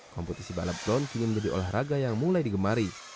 kompetisi balap drone kini menjadi olahraga yang mulai digemari